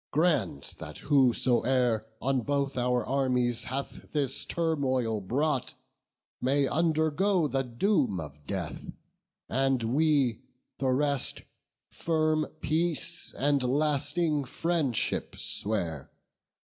grant that whosoe'er On both our armies hath this turmoil brought May undergo the doom of death, and we, The rest, firm peace and lasting friendship swear."